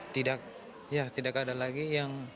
tidak ada lagi yang